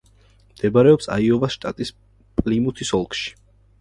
მდებარეობს აიოვის შტატის პლიმუთის ოლქში.